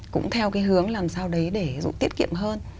cũng theo cái hướng làm sao đấy để tiết kiệm hơn